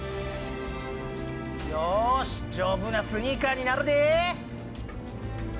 よし丈夫なスニーカーになるで！